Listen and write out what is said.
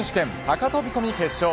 高飛び込み決勝。